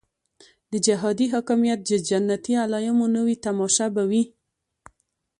د جهادي حاکمیت د جنتي علایمو نوې تماشه به وي.